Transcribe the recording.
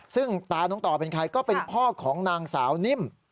ซึ่งตาน้องต่อเป็นใครก็เป็นพ่อของนางสาวนิ่ม